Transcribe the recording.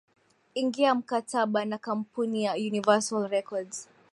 ingia mkataba na kampuni ya universal records